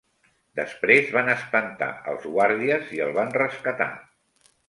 Després van espantar els guàrdies i el van rescatar.